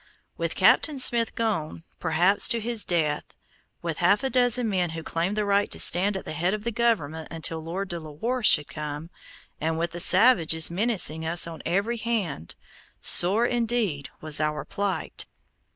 With Captain Smith gone, perhaps to his death; with half a dozen men who claimed the right to stand at the head of the government until Lord De la Warr should come; and with the savages menacing us on every hand, sore indeed was our plight.